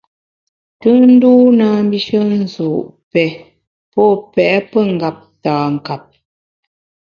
Tùnndû na mbishe nzu’, pè, pô pèt pengeptankap.